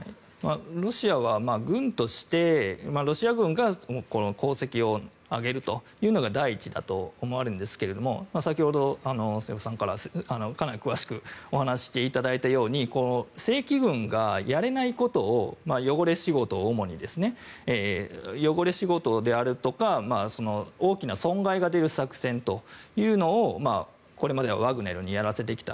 ロシアは軍としてロシア軍が功績をあげるというのが第一だと思われるんですが先ほど瀬尾さんからかなり詳しくお話していただいたように正規軍がやれないこと汚れ仕事であるとか大きな損害が出る作戦というのをこれまではワグネルにやらせてきた。